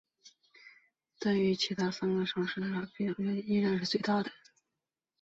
但与其他三个直辖市相比面积依然是最大的。